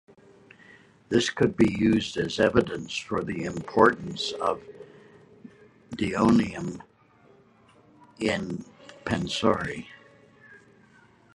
This could be used as evidence for the importance of "deoneum" in "pansori".